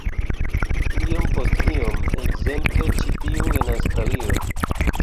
Iom post iom-- ekzemple, ĉi tiu en Aŭstralio.